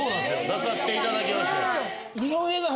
出さしていただきまして。